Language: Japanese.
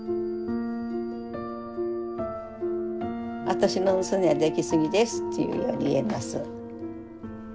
私の娘はできすぎですっていうように言えます。